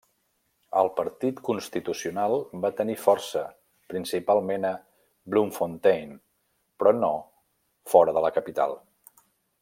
El Partit Constitucional va tenir força principalment a Bloemfontein, però no fora de la capital.